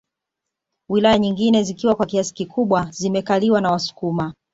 Wilaya nyingine zikiwa kwa kiasi kikubwa zimekaliwa na wasukuma